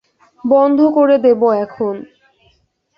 বন্ধ করে দেব এখন।